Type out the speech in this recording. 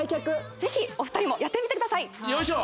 ぜひお二人もやってみてくださいよいしょ！